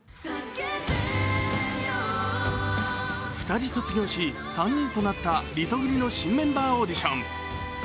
２人卒業し、３人となったリトグリの新メンバーオーディション。